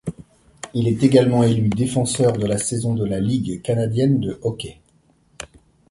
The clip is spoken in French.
Il est également élu défenseur de la saison de la Ligue canadienne de hockey.